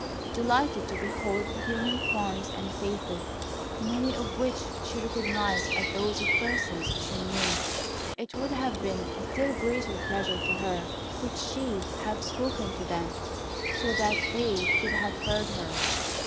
Delighted to behold human forms and faces, many of which she recognised as those of persons she knew, it would have been a still greater pleasure to her could she have spoken to them, so that they could have heard her.